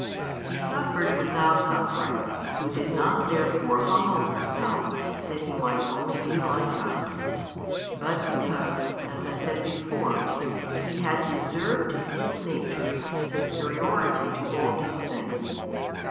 He suffered without suffering Who did not therefore humble Himself that He might only be like us, but because (as I said before) He had reserved to His Nature superiority to all these things.